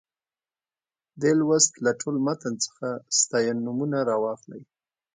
دې لوست له ټول متن څخه ستاینومونه راواخلئ.